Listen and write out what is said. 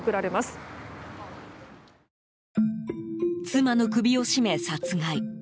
妻の首を絞め殺害。